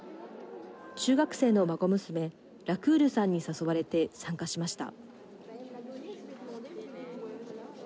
中学生の孫娘ラクールさんに誘われて参加しました。